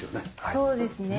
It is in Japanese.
そうですね。